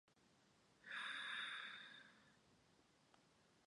It is in the civil parish of Wymondley.